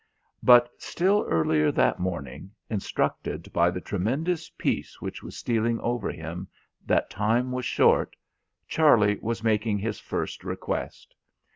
But still earlier that morning, instructed by the tremendous peace which was stealing over him that time was short, Charlie was making his first request.